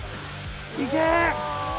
行け！